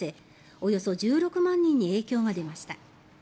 およそ１６万人に影響が出ました。